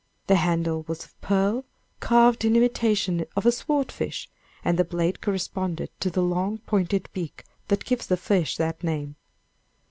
The handle was of pearl, carved in imitation of the sword fish, and the blade corresponded to the long pointed beak that gives the fish that name.